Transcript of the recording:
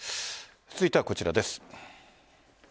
続いてはこちらです。